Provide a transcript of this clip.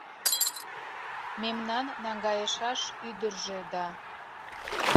Мемнан наҥгайышаш ӱдыржӧ да